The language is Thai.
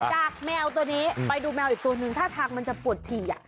แมวตัวนี้ไปดูแมวอีกตัวหนึ่งท่าทางมันจะปวดฉี่